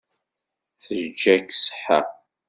Teǧǧa-k ṣṣeḥḥa.